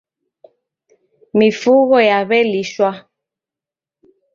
Mifugho yaw'elishwa.